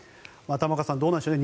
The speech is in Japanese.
玉川さんどうなんでしょうね。